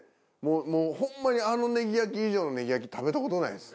もうホンマにあのネギ焼き以上のネギ焼き食べた事ないです。